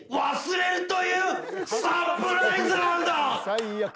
最悪。